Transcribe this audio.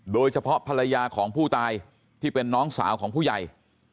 โดยเฉพาะภรรยาของผู้ตายที่เป็นน้องสาวของผู้ใหญ่